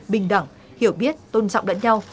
bình đẳng hiểu biết tôn trọng đẫn nhau